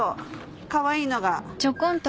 かわいいのが。